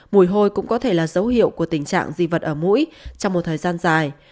mùi hôi cũng có thể là dấu hiệu của tình trạng di vật ở mũi trong một thời gian dài